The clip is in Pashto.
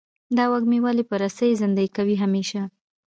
دا وږمې ولې په رسۍ زندۍ کوې همیشه؟